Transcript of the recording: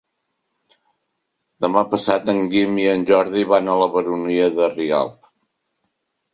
Demà passat en Guim i en Jordi van a la Baronia de Rialb.